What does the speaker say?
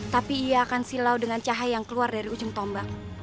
tapi ia akan silau dengan cahaya yang keluar dari ujung tombak